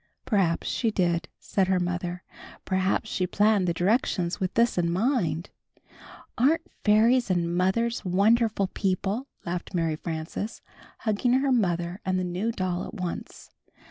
"Perhaps she did," said her mother. "Perhaps she planned the directions with this in mind." "Aren't fairies and mothers wonderful people?" laughed Mary Frances, hugging her mother and the new doll at once.